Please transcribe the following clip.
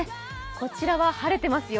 こちらは晴れていますよ。